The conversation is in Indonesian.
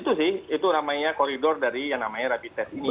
itu sih itu namanya koridor dari yang namanya rapid test ini